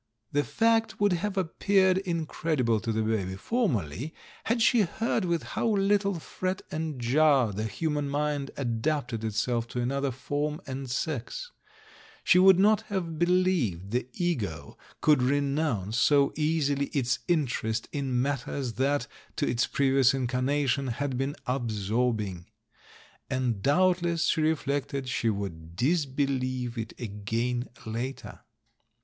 The fact would have appeared incredible to the baby for merly had she heard with how little fret and jar the human mind adapted itself to another form and sex; she would not have believed the Ego could renounce so easily its interest in matters that, to its previous incarnation, had been absorb ing. And doubtless, she reflected, she would dis believe it again later!